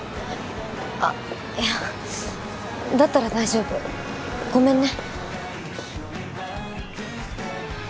あっいやだったら大丈夫ごめんね